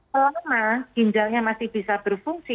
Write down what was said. selama ginjalnya masih bisa berfungsi